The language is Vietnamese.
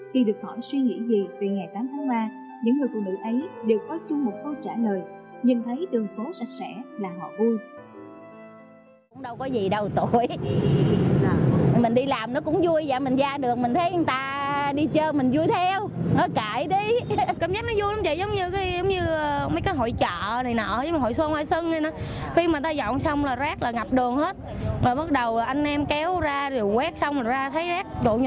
khi được hỏi suy nghĩ gì về ngày tám tháng ba những người cô nữ ấy đều có chung một câu trả lời